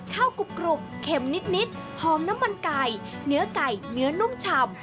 กรุบเข็มนิดหอมน้ำมันไก่เนื้อไก่เนื้อนุ่มชำ